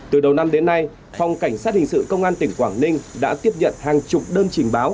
từ đầu năm đến nay phòng cảnh sát hình sự công an tỉnh quảng ninh đã tiếp nhận hàng chục đơn trình báo